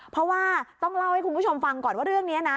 เพราะว่าต้องเล่าให้คุณผู้ชมฟังก่อนว่าเรื่องนี้นะ